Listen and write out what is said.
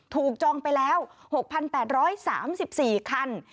จองไปแล้ว๖๘๓๔คัน